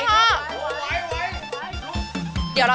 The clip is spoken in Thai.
สวัสดีค่ะ